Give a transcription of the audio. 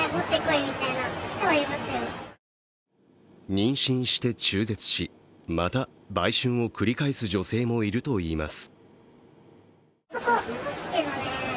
妊娠して中絶し、また売春を繰り返す女性もいるといいます。